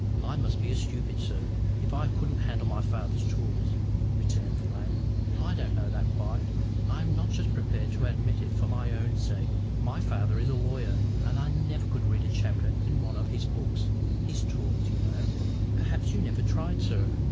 "I must be a stupid, sir, if I couldn't handle my father's tools," returned the lad. "I don't know that quite. I am not just prepared to admit it for my own sake. My father is a lawyer, and I never could read a chapter in one of his books—his tools, you know." "Perhaps you never tried, sir."